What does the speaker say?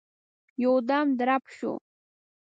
يودم درب شو.